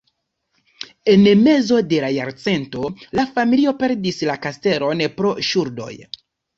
En mezo de la jarcento la familio perdis la kastelon pro ŝuldoj.